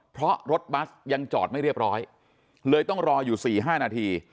เพราะรถบัสยังจอดไม่เรียบร้อยเลยต้องรออยู่๔๕นาที